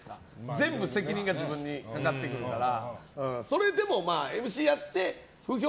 全部責任が自分にかかってくるから。